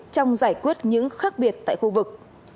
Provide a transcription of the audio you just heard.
trong giải quyết những khác biệt tại khu vực